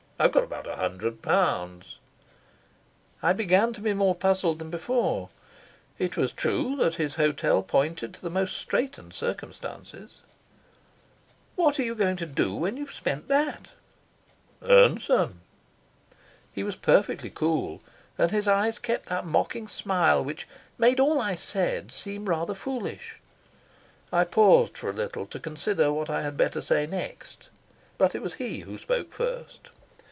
I've got about a hundred pounds." I began to be more puzzled than before. It was true that his hotel pointed to the most straitened circumstances. "What are you going to do when you've spent that?" "Earn some." He was perfectly cool, and his eyes kept that mocking smile which made all I said seem rather foolish. I paused for a little while to consider what I had better say next. But it was he who spoke first.